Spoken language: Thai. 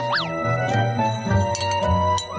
โอ้โฮ